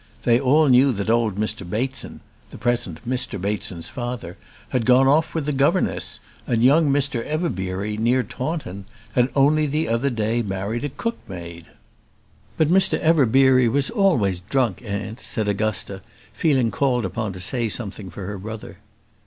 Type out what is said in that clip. They all knew that old Mr Bateson the present Mr Bateson's father had gone off with the governess; and young Mr Everbeery, near Taunton, had only the other day married a cook maid." "But Mr Everbeery was always drunk, aunt," said Augusta, feeling called upon to say something for her brother.